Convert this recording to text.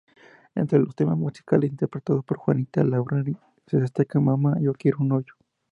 Entre los temas musicales interpretados por Juanita Larrauri se destacan "Mama...¡Yo quiero un novio!